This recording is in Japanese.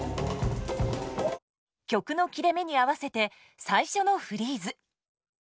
曲の切れ目に合わせて最初のフリーズ。